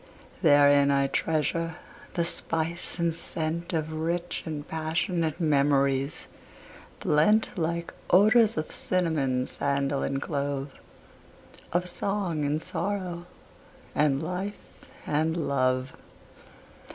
Therein I treasure the spice and scent Of rich and passionate memories blent Like odours of cinnamon, sandal and clove, Of song and sorrow and life and love.